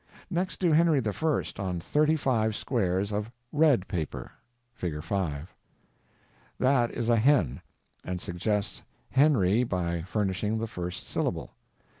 Next do Henry I. on thirty five squares of _red _paper. (Fig. 5.) That is a hen, and suggests Henry by furnishing the first syllable.